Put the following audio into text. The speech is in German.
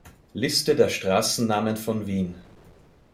Liste der Straßennamen von Wien